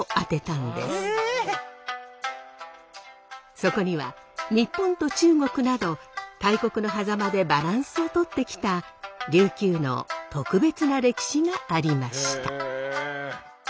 そこには日本と中国など大国のはざまでバランスをとってきた琉球の特別な歴史がありました。